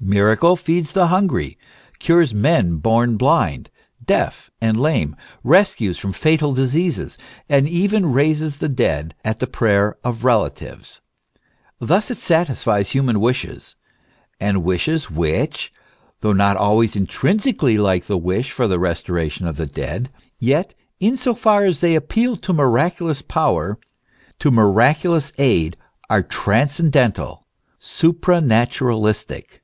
Miracle feeds the hungry, cures men born blind, deaf, and lame, rescues from fatal diseases, and even raises the dead at the prayer of rela tives. Thus it satisfies human wishes, and wishes which, though not always intrinsically like the wish for the restoration of the dead, yet in so far as they appeal to miraculous power, to miraculous aid, are transcendental, supranaturalistic.